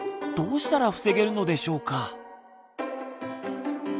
どうしたら防げるのでしょうか？